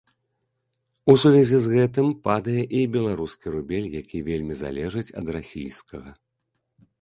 У сувязі з гэтым падае і беларускі рубель, які вельмі залежыць ад расійскага.